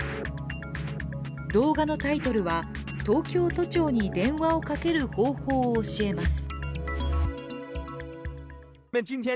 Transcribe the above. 動画のタイトルは「東京都庁に電話をかける方法を教えます」。